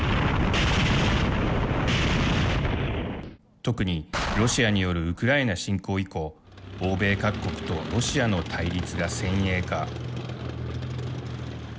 特にロシアによるウクライナ侵攻以降欧米各国とロシアの対立が先鋭化。